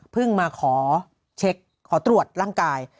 มาขอเช็คขอตรวจร่างกาย